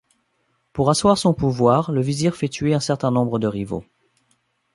Pour asseoir son pouvoir, le vizir fait tuer un certain nombre de rivaux.